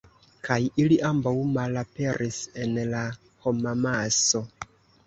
Kaj ili ambaŭ malaperis en la homamaso.